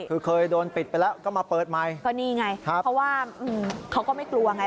คือเคยโดนปิดไปแล้วก็มาเปิดใหม่ก็นี่ไงครับเพราะว่าเขาก็ไม่กลัวไง